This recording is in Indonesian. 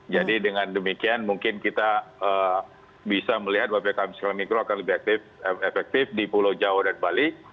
jadi dengan demikian mungkin kita bisa melihat ppkm skala mikro akan lebih efektif di pulau jawa dan bali